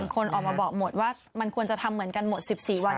คนออกมาบอกหมดว่ามันควรจะทำเหมือนกันหมด๑๔วัน